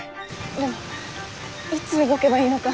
でもいつ動けばいいのか。